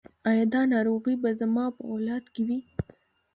ایا دا ناروغي به زما په اولاد کې وي؟